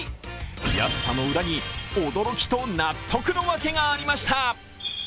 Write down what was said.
安さの裏に、驚きと納得のわけがありました。